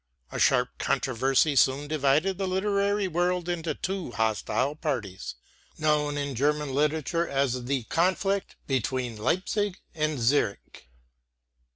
A sharp controversy soon divided the literary world into two hostile parties, known in German literature as the "conflict between Leipzig and Zürich."